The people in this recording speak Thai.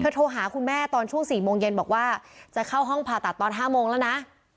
โทรหาคุณแม่ตอนช่วง๔โมงเย็นบอกว่าจะเข้าห้องผ่าตัดตอน๕โมงแล้วนะ